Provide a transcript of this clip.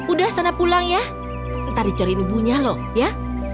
udah sana pulang ya ntar dicorin ibunya loh ya